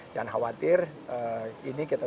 jangan khawatir ini kita